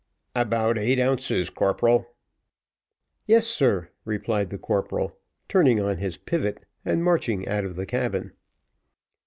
"About eight ounces, corporal." "Yes, sir," replied the corporal, turning on his pivot, and marching out of the cabin.